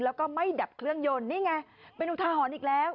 แล้วก็ไม่ดับเครื่องยนต์นี่ไงเป็นอุทาหรณ์อีกแล้ว